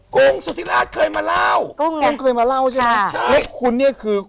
กุ้งสุธิราชเคยมาเล่ากุ้งกุ้งเคยมาเล่าใช่ไหมใช่แล้วคุณเนี่ยคือ